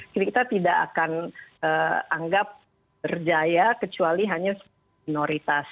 jadi kita tidak akan anggap berjaya kecuali hanya minoritas